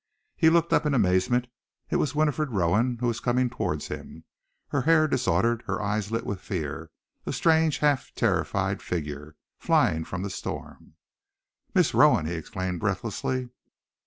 He looked up in amazement. It was Winifred Rowan who was coming towards him, her hair disordered, her eyes lit with fear, a strange, half terrified figure, flying from the storm! "Miss Rowan!" he exclaimed breathlessly.